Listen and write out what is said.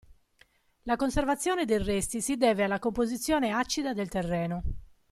La conservazione dei resti si deve alla composizione acida del terreno.